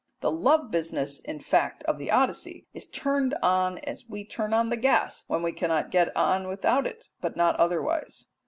The love business in fact of the Odyssey is turned on as we turn on the gas when we cannot get on without it, but not otherwise.